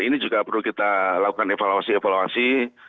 ini juga perlu kita lakukan evaluasi evaluasi